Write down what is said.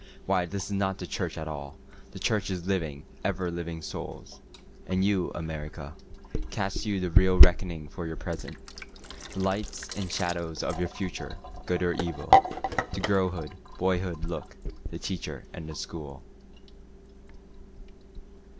Why this is not the church at all—the Church is living, ever living Souls.")And you, America, Cast you the real reckoning for your present? The lights and shadows of your future—good or evil? To girlhood, boyhood look—the Teacher and the School.